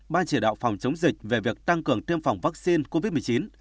ban chỉ đạo phòng chống dịch về việc tăng cường tiêm phòng vaccine covid một mươi chín